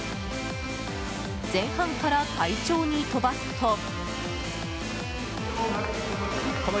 前半から快調に飛ばすと。